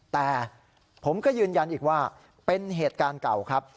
แต่ผมก็ยืนยันอีกว่าเป็นเหตุการณ์เก่าครับ